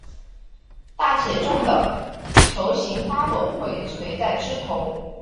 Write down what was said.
大且重的球形花朵会垂在枝头。